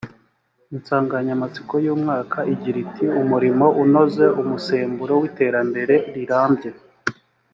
insanganyamatsiko y’umwaka igira iti umurimo unoze umusemburo w’iterambere rirambye